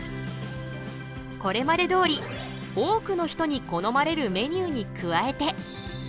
これまでどおり多くの人に好まれるメニューに加えて。